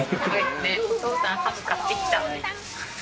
お父さん、ハム買ってきたって。